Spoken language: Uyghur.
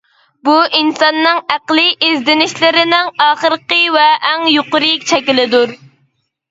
بۇ ئىنساننىڭ ئەقلىي ئىزدىنىشلىرىنىڭ ئاخىرقى ۋە ئەڭ يۇقىرى شەكلىدۇر.